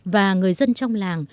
và người dân trong làng